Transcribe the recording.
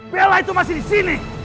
bela itu masih di sini